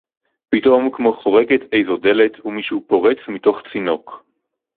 פִּתְאֹם כְּמוֹ חוֹרֶקֶת אֵיזוֹ דֶלֶת וּמִישֶהוּ פּוֹרֵץ מִתּוֹךְ צִינוֹק.